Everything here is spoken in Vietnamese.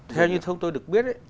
theo như thông tôi được biết